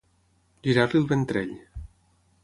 Girar-li el ventrell.